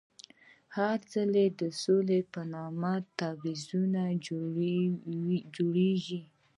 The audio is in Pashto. هر ځل د سولې په نامه تعویضونه جوړېږي.